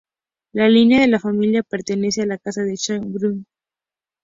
La línea de la familia pertenece a la casa de Sayn-Wittgenstein-Berleburg.